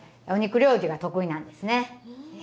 お肉料理が得意なんですね。